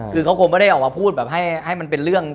คือเขาคงไม่ได้ออกมาพูดแบบให้มันเป็นเรื่อง